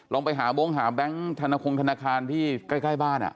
ลองไปหาบงค์หาแบงค์ธนาคงธนาคารที่ใกล้บ้าน